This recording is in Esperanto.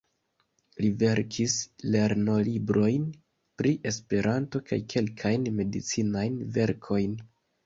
Li verkis lernolibrojn pri Esperanto kaj kelkajn medicinajn verkojn.